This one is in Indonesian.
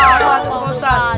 ada pak ustadz